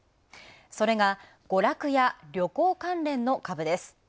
それが娯楽や旅行関連の株です。